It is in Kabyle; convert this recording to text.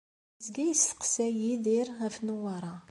Yezga yesteqsay Yidir ɣef Newwara.